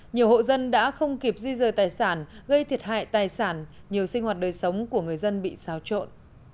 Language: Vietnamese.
nhiều hộ dân đã không kịp di rời tài sản gây thiệt hại tài sản nhiều sinh hoạt đời sống của người dân bị xáo trộn